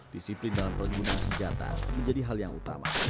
disiplin dalam penggunaan senjata menjadi hal yang utama